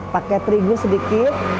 pakai terigu sedikit